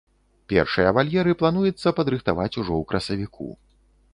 Першыя вальеры плануецца падрыхтаваць ужо ў красавіку.